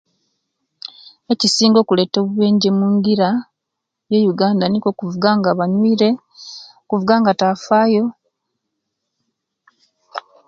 Ekisinga kuleta bubenje mungila mu uganda nikwo okuvuuga nga banywire okuvuuganga taafayo